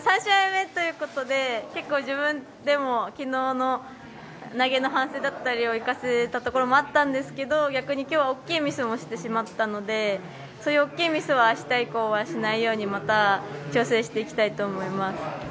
３試合目ということで結構、自分でも昨日の投げの反省だったりとかを生かせたところもあったんですが逆に今日は大きいミスもしてしまったのでそういう大きいミスを明日以降はしないようにまた調整していきたいと思います。